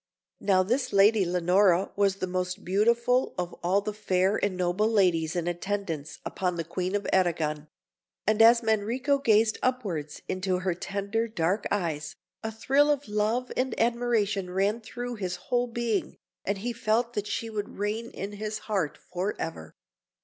Now, this Lady Leonora was the most beautiful of all the fair and noble ladies in attendance upon the Queen of Arragon; and as Manrico gazed upwards into her tender dark eyes, a thrill of love and admiration ran through his whole being, and he felt that she would reign in his heart for ever.